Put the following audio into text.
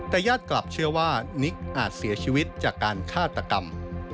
แต่ญาติกลับเชื่อว่านิกอาจเสียชีวิตจากการฆาตกรรม